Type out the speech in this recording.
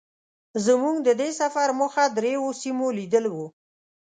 زمونږ د دې سفر موخه درېيو سیمو لیدل وو.